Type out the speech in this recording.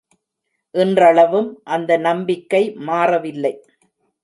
இன்றளவும் அந்த நம்பிக்கை மாறவில்லை.